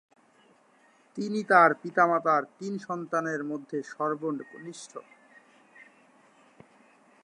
তিনি তার পিতামাতার তিন সন্তানের মধ্য সর্বকনিষ্ঠ।